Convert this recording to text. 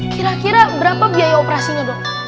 kira kira berapa biaya operasinya dok